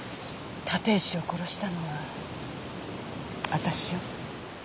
立石を殺したのは私よ。